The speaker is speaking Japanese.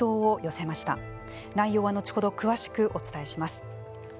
内容は後ほど詳しくお伝えします。